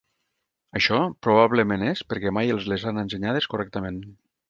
Això probablement és perquè mai els les han ensenyades correctament.